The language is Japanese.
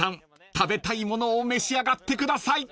食べたいものを召し上がってください］